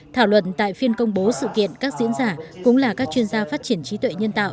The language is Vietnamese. thảo luận tại phiên công bố sự kiện các diễn giả cũng là các chuyên gia phát triển trí tuệ nhân tạo